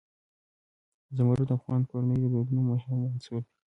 زمرد د افغان کورنیو د دودونو مهم عنصر دی.